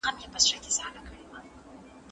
نجلۍ باید چوپ پاته نه سي.